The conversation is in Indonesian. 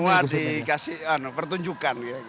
semua dikasih pertunjukan